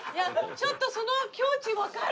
ちょっとその境地わかる。